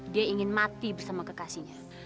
dia ingin mati bersama kekasihnya